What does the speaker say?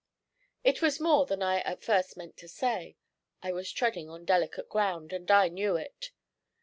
It was more than I at first meant to say. I was treading on delicate ground, and I knew it.